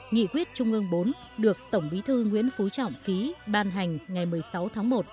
nghị quyết trung ương bốn được tổng bí thư nguyễn phú trọng ký ban hành ngày một mươi sáu tháng một